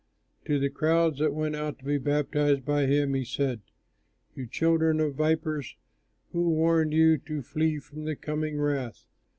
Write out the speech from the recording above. To the crowds that went out to be baptized by him he said, "You children of vipers! Who warned you to flee from the coming wrath?